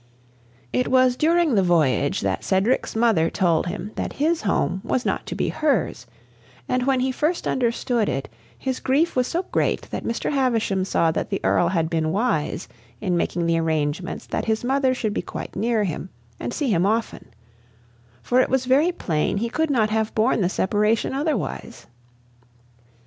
IV It was during the voyage that Cedric's mother told him that his home was not to be hers; and when he first understood it, his grief was so great that Mr. Havisham saw that the Earl had been wise in making the arrangements that his mother should be quite near him, and see him often; for it was very plain he could not have borne the separation otherwise.